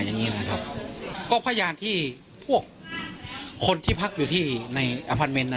อย่างงี้นะครับก็พยานที่พวกคนที่พักอยู่ที่ในอพาร์เมนต์น่ะ